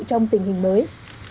trong tình hình mới